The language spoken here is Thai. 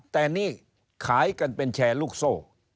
แต่นี่ขายกันเป็นแชร์ลูกโซ่